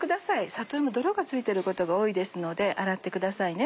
里芋泥が付いてることが多いですので洗ってくださいね。